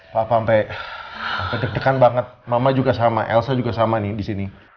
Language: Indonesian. papa sampe deg degan banget mama juga sama elsa juga sama nih disini